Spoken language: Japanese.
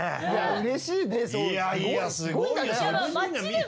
うれしいです。